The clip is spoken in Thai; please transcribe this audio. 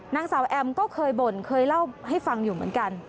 นางสาวแอมก็เคยบ่นเคยเล่าให้ฟังอยู่เหมือนกัน